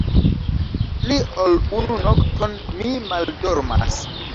Pli ol unu nokton mi maldormas!